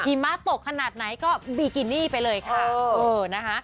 หิมะตกขนาดไหนก็บิกินี่ไปเลยค่ะ